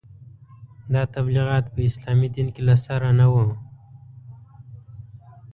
دا تبلیغات په اسلامي دین کې له سره نه وو.